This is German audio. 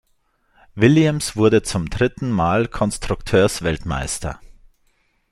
Williams wurde zum dritten Mal Konstrukteursweltmeister.